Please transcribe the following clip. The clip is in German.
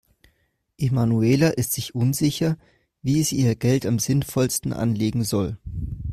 Emanuela ist sich unsicher, wie sie ihr Geld am sinnvollsten anlegen soll.